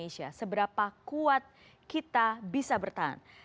seberapa kuat kita bisa bertahan